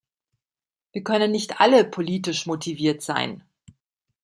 Wir können nicht alle politisch motiviert sein.